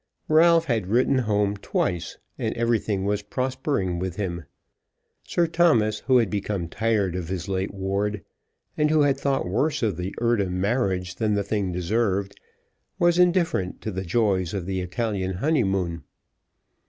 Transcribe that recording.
Ralph had written home twice, and everything was prospering with him. Sir Thomas, who had become tired of his late ward, and who had thought worse of the Eardham marriage than the thing deserved, was indifferent to the joys of the Italian honeymoon.